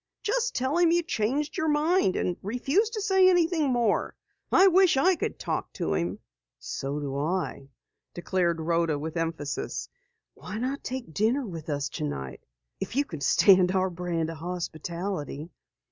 "Just tell him you changed your mind and refuse to say anything more. I wish I could talk to him." "So do I," declared Rhoda with emphasis. "Why not take dinner with us tonight if you can stand our brand of hospitality."